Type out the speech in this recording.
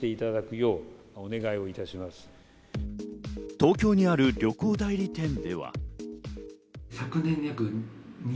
東京にある旅行代理店では。